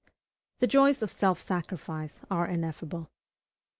The joys of self sacrifice are ineffable.